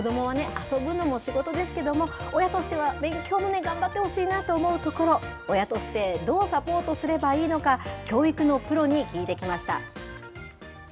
子どもはね、遊ぶのも仕事ですけれども、親としては勉強にも頑張ってほしいなと思うところ、親として、どうサポートすればいいのか、教育のプロに聞いてきました。